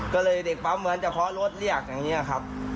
ก็เลยเด็กปั๊มเหมือนจะเคาะรถเรียกอย่างนี้ครับ